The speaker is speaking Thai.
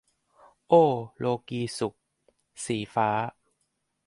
โอ้ โลกีย์สุข - สีฟ้า